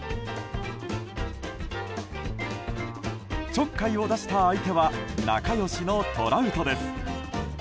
ちょっかいを出した相手は仲良しのトラウトです。